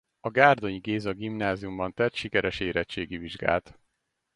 A Gárdonyi Géza Gimnáziumban tett sikeres érettségi vizsgát.